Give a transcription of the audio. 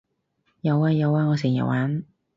有呀有呀我成日玩